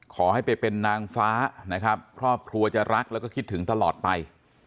ขอให้ไปเป็นนางฟ้านะครับครอบครัวจะรักแล้วก็คิดถึงตลอดไป